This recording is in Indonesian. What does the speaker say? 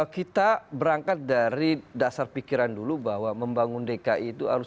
kita berangkat dari dasar pikiran dulu bahwa kita perlu berpikir kemudian kita harus